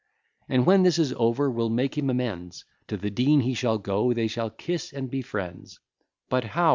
And, when this is over, we'll make him amends, To the Dean he shall go; they shall kiss and be friends: But how?